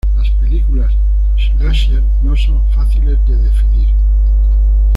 Las películas "slasher" no son fáciles de definir.